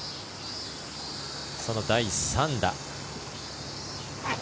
その第３打。